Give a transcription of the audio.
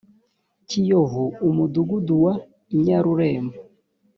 kiyovu umudugudu wa i nyarurembo